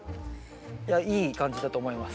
いやいい感じだと思います。